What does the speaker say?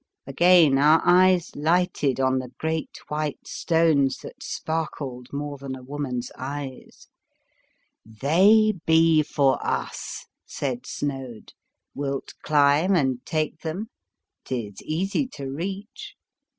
Again our eyes lighted on the great white stones that sparkled more than a woman's eyes. 18 The Fearsome Island " They be for us," said Snoad. " Wilt climb and take them? 'Tis easy to reach.